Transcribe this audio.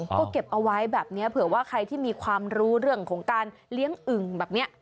ก็เก็บเอาไว้แบบนี้เผื่อว่าใครที่มีความรู้เรื่องของการเลี้ยงอึ่งแบบนี้